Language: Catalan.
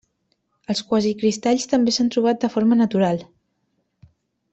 Els quasicristalls també s'han trobat de forma natural.